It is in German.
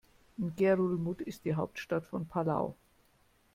Ngerulmud ist die Hauptstadt von Palau.